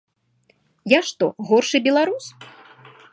Я што, горшы беларус?